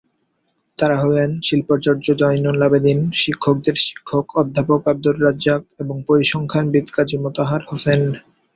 তারা হলেন, শিল্পাচার্য জয়নুল আবেদীন, শিক্ষকদের শিক্ষক অধ্যাপক আবদুর রাজ্জাক এবং পরিসংখ্যানবিদ কাজী মোতাহার হোসেন।